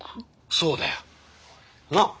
そうだよ。なあ？